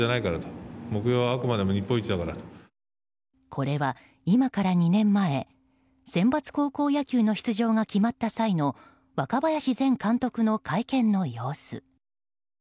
これは今から２年前センバツ高校野球の出場が決まった際の若林前監督の会見の様子。